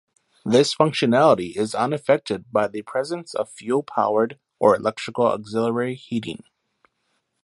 This functionality is unaffected by the presence of fuel-powered or electrical auxiliary heating.